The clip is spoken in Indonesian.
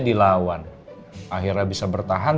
dilawan akhirnya bisa bertahan